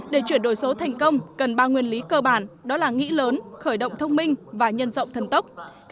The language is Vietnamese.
để chuyển đổi số thành công cần ba nguyên lý cơ bản đó là nghĩ lớn khởi động thông minh và nhân rộng thân tốc